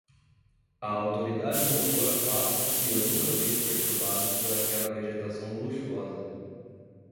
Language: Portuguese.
A autoridade motora passa e eu nunca os vi perturbados por aquela vegetação luxuosa.